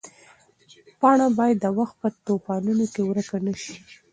پاڼه باید د وخت په توپانونو کې ورکه نه شي.